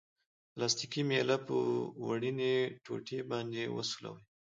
پلاستیکي میله په وړیني ټوټې باندې وسولوئ.